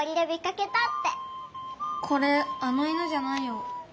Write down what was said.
これあの犬じゃないよ。